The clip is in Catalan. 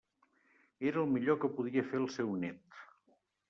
Era el millor que podia fer el seu nét.